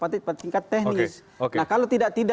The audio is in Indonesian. tingkat teknis nah kalau tidak tidak